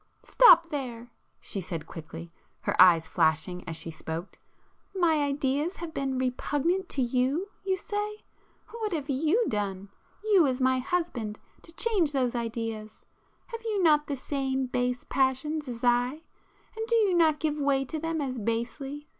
"Stop there!" she said quickly, her eyes flashing as she spoke—"My ideas have been repugnant to you, you say? What have you done, you as my husband, to change those ideas? Have you not the same base passions as I?—and do you not give way to them as basely?